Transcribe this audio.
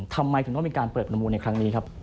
ทำไมถึงต้องมีการเปิดประมูลในครั้งนี้ครับ